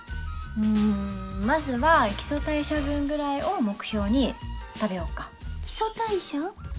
うんまずは基礎代謝分ぐらいを目標に食べよっか基礎代謝？